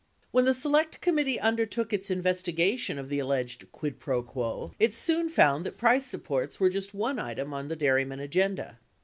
When the Select Committee undertook its investigation of the alleged quid pro quo , it soon found that price supports were just one item on the dairymen agenda.